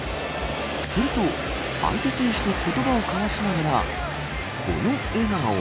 すると、相手選手と言葉を交わしながらこの笑顔。